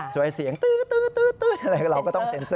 สวยเสียงตื๊ดเราก็ต้องเซ็นเซอร์